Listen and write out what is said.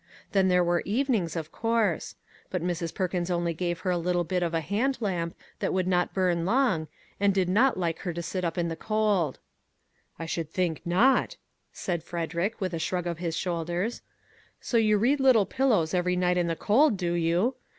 Then there were evenings, of course ; but Mrs. 66 "I'LL DO MY VERY BEST" Perkins only gave her a little bit of a hand lamp that would not burn long, and did not like her to sit up in the cold. " I should think not !" said Frederick, with a shrug of his shoulders. " So you read ' Lit tle Pillows ' every night in the cold, do you